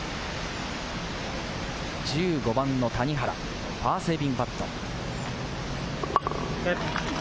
１５番の谷原、パーセービングパット。